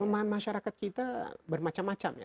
pemahaman masyarakat kita bermacam macam ya